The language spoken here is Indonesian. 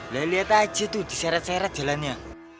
lha liat aja tuh diseret seret jalannya